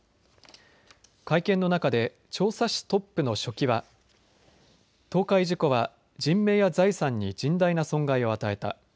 会見の中で長沙市トップの書記は倒壊事故は人命や財産に甚大な損害を与えた。